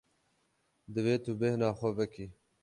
Divê tu bêhna xwe vekî.